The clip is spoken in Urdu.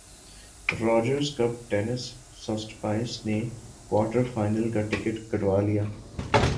راجرز کپ ٹینس سٹسیپاس نے کوارٹر فائنل کا ٹکٹ کٹوا لیا